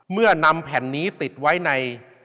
เมื่อนำแผ่นนี้ติดไว้ใน